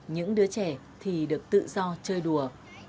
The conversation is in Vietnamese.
những đứa trẻ thì được tự do chơi đùa